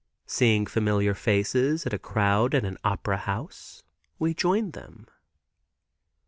Seeing familiar faces in a crowd at an opera house, we join them.